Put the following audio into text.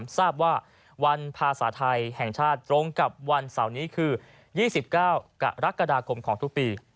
ทราบว่าวันภาษาไทยแห่งชาติตรงกับวันเสาร์นี้คือ๒๙กรกฎาคมของทุกปี